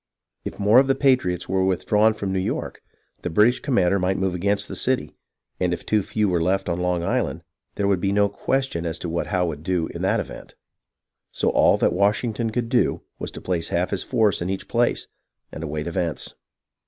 If more of the patriots were withdrawn from New York, the British commander might move against the city, and if too few were left on Long Island there would be no question as to what Howe would do in that event. So all that Washington could do was to place half his force in each place, and await events.